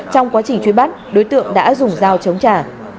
trong quá trình truy bắt đối tượng đã dùng dao chống trả